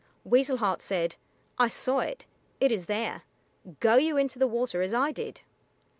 Weasel Heart said, "I saw it; it is there. Go you into the water as I did."